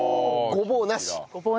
ごぼうなしで。